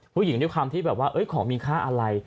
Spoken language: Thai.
ผู้หญิงด้วยคำที่แบบว่าของมีค่าอะไร